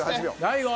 大悟！